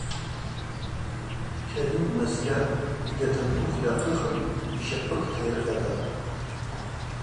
Кьарим днаскӏьатӏ, йгьатан туфльа ахъихын йщапӏыкӏ тайрыкъьатӏатӏ.